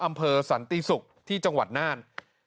อำเภอสันติศุกร์ที่จังหวัดน่าน